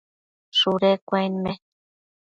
shudu cuenme